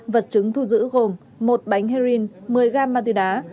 vật chứng thu giữ gồm một bánh heroin một mươi gam ma túy đá